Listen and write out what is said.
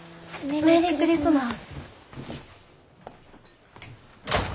メリークリスマス。